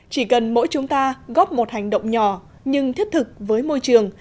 chỉ cần mỗi chúng ta góp một hành động nhỏ nhưng thiết thực với môi trường